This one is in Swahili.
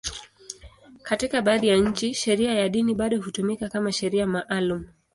Katika baadhi ya nchi, sheria ya dini bado hutumika kama sheria maalum.